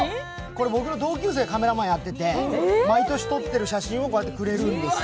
僕の同級生、カメラマンやってて、毎年撮ってる写真をこうやってくれるんですよ。